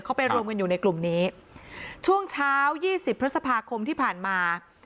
เขาไปรวมกันอยู่ในกลุ่มนี้ช่วงเช้ายี่สิบพฤษภาคมที่ผ่านมา